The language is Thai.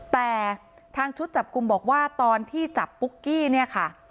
แต่ทางชุดจับกลุ่มบอกว่าตอนที่จับปุ๊กกี้เนี่ยค่ะ